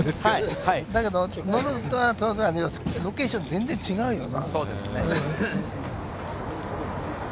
だけどロケーションが全然違うよね。